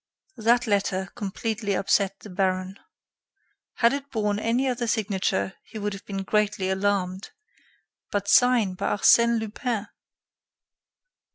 That letter completely upset the baron. Had it borne any other signature, he would have been greatly alarmed but signed by Arsène Lupin!